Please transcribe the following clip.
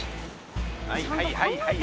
はいはいはいはい。